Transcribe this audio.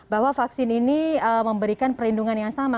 bahwa vaksin ini memberikan perlindungan yang sama